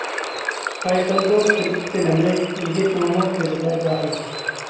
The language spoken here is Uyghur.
چايقىلىدۇ كىرپىكتە نەملىك، يىگىتنىڭمۇ كۆزىدە گاھى.